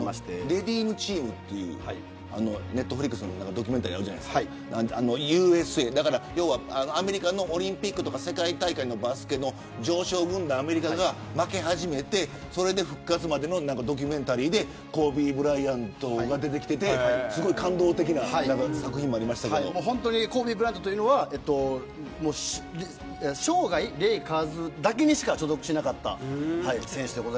リディームチームっていうネットフリックスのドキュメンタリーでアメリカのオリンピックとか世界大会のバスケの常勝軍団アメリカが負け始めてその復活までのドキュメンタリーでコービー・ブライアントが出てきてすごい感動的な作品もコービー・ブライアントは生涯レイカーズだけにしか所属しなかった選手です。